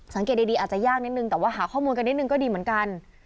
สังเกตดีอาจจะยากนิดนึงแต่ว่าหาข้อมูลกันนิดนึงก็ดีเหมือนกัน